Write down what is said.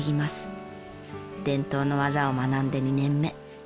伝統の技を学んで２年目。